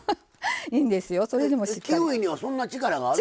キウイにはそんな力がある？